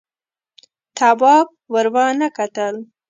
تواب ور ونه کتل.